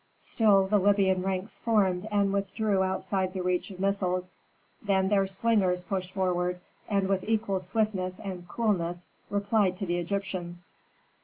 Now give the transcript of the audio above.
Still the Libyan ranks formed and withdrew outside the reach of missiles, then their slingers pushed forward and with equal swiftness and coolness replied to the Egyptians.